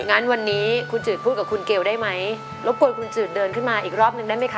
งั้นวันนี้คุณจืดพูดกับคุณเกลได้ไหมรบกวนคุณจืดเดินขึ้นมาอีกรอบนึงได้ไหมคะ